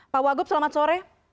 pak wagup selamat sore